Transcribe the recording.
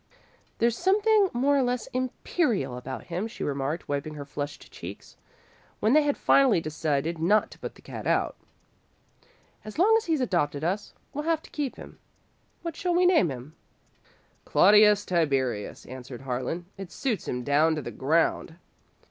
"There's something more or less imperial about him," she remarked, wiping her flushed cheeks, when they had finally decided not to put the cat out. "As long as he's adopted us, we'll have to keep him. What shall we name him?" "Claudius Tiberius," answered Harlan. "It suits him down to the ground."